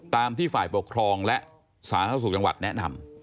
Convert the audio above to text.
ตามที่ฝ่ายปกครองและสาธารณสุขจังหวัดแนะนำ